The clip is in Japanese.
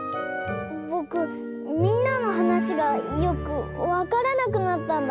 ぼくみんなのはなしがよくわからなくなったんだ。